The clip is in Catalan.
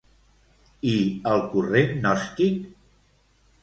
I el corrent gnòstic?